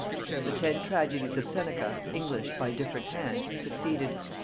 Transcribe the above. The ten tragedies of Seneca, englished by different hands, succeeded.